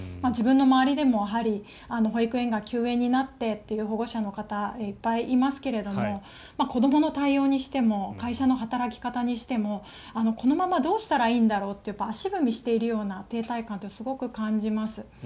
自分の周りでも保育園が休園になってという方もいっぱいいますけれども子どもの対応にしても会社の働き方にしてもこのままどうしたらいいんだろうって足踏みしているような停滞感はすごく感じます。